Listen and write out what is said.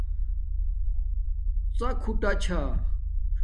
ڎق ہوٹݳ چھݳ